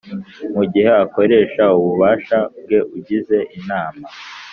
Mu gihe akoresha ububasha bwe ugize Inama